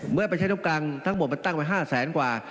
เมื่อไปใช้งบกลางทั้งหมดมันตั้งไว้๕แสนกว่า